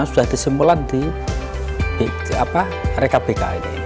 sudah disimpulan di rkbk ini